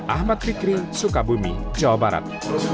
ahmad fikri sukabumi jawa barat